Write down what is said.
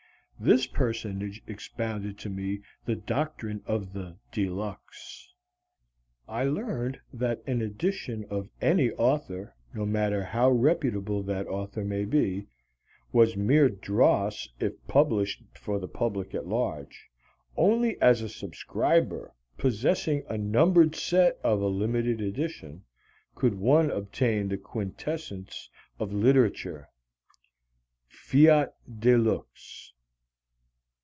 This personage expounded to me the doctrine of the De Luxe. I learned that an edition of any author, no matter how reputable that author may be, was mere dross if published for the public at large. Only as a subscriber, possessing a numbered set of a limited edition, could one obtain the quintessence of literature. _Fiat de lux.